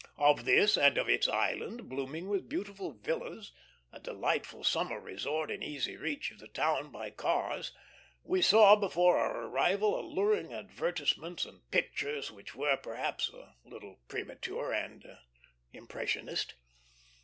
Of this, and of its island, blooming with beautiful villas, a delightful summer resort in easy reach of the town by cars, we saw before our arrival alluring advertisements and pictures, which were, perhaps, a little premature and impressionist.